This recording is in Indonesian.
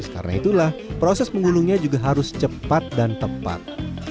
karena itulah proses menggulungnya juga harus cepat dan tepat